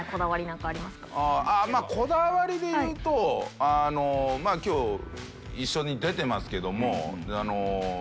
こだわりで言うとまぁ今日一緒に出てますけども。